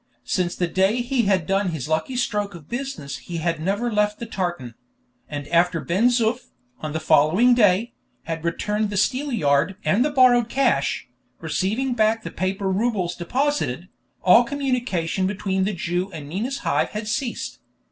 Since the day he had done his lucky stroke of business he had never left the tartan; and after Ben Zoof, on the following day, had returned the steelyard and the borrowed cash, receiving back the paper roubles deposited, all communication between the Jew and Nina's Hive had ceased.